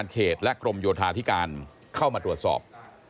เขตและกรมโยธาธิการเข้ามาตรวจสอบ